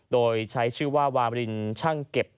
โดยใช้ชื่อว่าวารินช่างเก็บ